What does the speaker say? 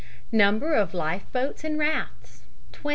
Number of life boats and rafts, 20.